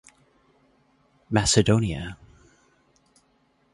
Macedonia.